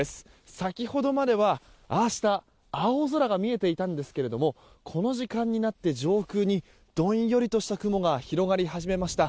先ほどまでは青空が見えていたんですがこの時間になって上空にどんよりとした雲が広がり始めました。